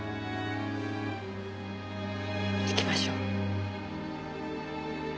行きましょう。